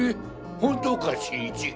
本当か新一？